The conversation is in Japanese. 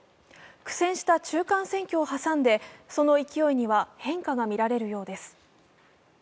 苦戦した中間選挙を挟んで、その勢いには変化が見られるようです。